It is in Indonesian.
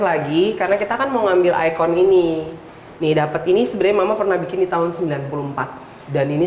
lagi karena kita akan mengambil icon ini nih dapet ini sebenarnya pernah bikin di tahun sembilan puluh empat dan ini